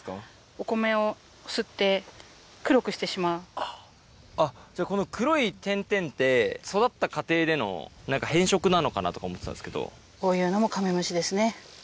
お米を吸って、黒くしてしまあっ、じゃあこの黒い点々って、育った過程での、なんか変色なのかなとこういうのもカメムシですね。